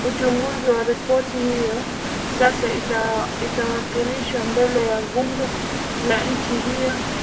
uchunguzi wa ripoti hiyo sasa itawakilishwa mbele ya bunge la nchi hiyo